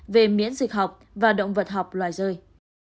về miễn dịch học và động vật học loài rơi